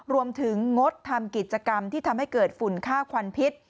งงดทำกิจกรรมที่ทำให้เกิดฝุ่นฆ่าควันพิษ